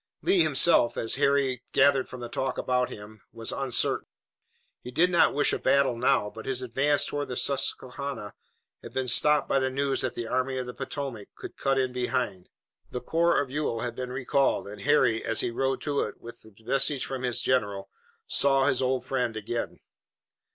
Lee himself, as Harry gathered from the talk about him, was uncertain. He did not wish a battle now, but his advance toward the Susquehanna had been stopped by the news that the Army of the Potomac could cut in behind. The corps of Ewell had been recalled, and Harry, as he rode to it with a message from his general, saw his old friends again.